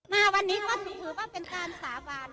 มาวันนี้ก็ถือว่าเป็นการสาบาน